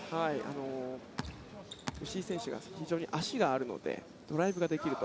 吉井選手が非常に足があるのでドライブができると。